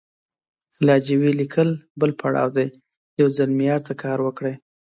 لهجوي ليکل بل پړاو دی، يو ځل معيار ته کار وکړئ!